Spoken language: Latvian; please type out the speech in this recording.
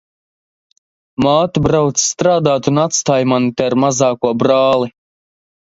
Māte brauc strādāt un atstāj mani te ar mazāko brāli.